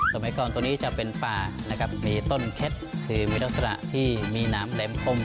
สมัยก่อนตัวนี้จะเป็นป่านะครับมีต้นเพชรคือมีลักษณะที่มีน้ำแหลมคม